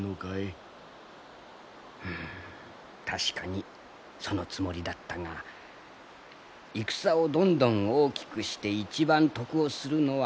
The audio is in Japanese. うん確かにそのつもりだったが戦をどんどん大きくして一番得をするのは商人ではない。